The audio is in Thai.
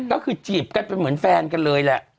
ก็คือจีบกันเป็นเหมือนแฟนกันเลยแหละ